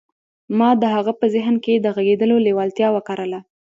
ما د هغه په ذهن کې د غږېدلو لېوالتیا وکرله